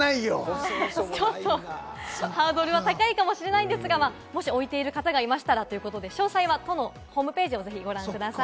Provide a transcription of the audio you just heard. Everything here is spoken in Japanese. ハードルは高いかもしれないんですが、もし置いている方がいましたらということで、詳細は都のホームページをご覧ください。